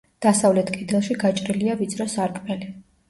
დასავლეთ კედელში გაჭრილია ვიწრო სარკმელი.